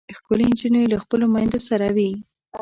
ښکلې نجونې له خپلو میندو سره وي.